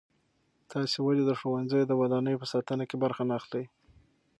تاسې ولې د ښوونځیو د ودانیو په ساتنه کې برخه نه اخلئ؟